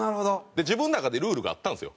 で自分の中でルールがあったんですよ。